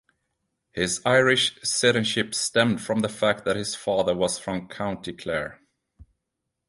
His Irish citizenship stemmed form the fact that his father was from County Clare.